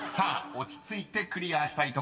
落ち着いてクリアしたいところ］